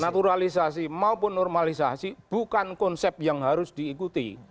naturalisasi maupun normalisasi bukan konsep yang harus diikuti